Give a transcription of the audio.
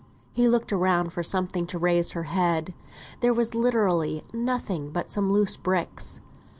He looked around for something to raise her head. There was literally nothing but some loose bricks.